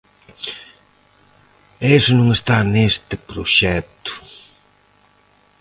E iso non está neste proxecto.